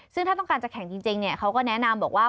ซึ่งถ้าต้องการจะแข่งจริงเขาก็แนะนำบอกว่า